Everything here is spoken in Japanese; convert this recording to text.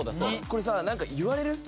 これさ何か言われる？